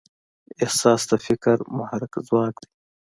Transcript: احساس د فکر محرک ځواک دی.